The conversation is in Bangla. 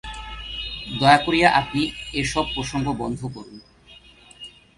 দয়া করিয়া আপনি এ-সব প্রসঙ্গ বন্ধ করুন।